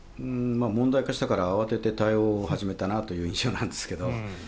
問題化したから慌てて対応を始めたなという印象なんですけど。